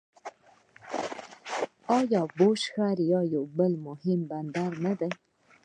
آیا بوشهر بل مهم بندر نه دی؟